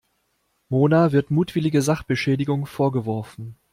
Mona wird mutwillige Sachbeschädigung vorgeworfen.